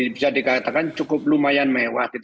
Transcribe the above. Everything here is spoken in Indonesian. bisa dikatakan cukup lumayan mewah